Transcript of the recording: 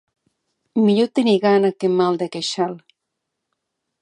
Millor tenir gana que mal de queixal.